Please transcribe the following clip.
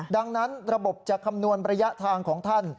ดังนั้นระบบจะคำนวณระยะทางของท่าน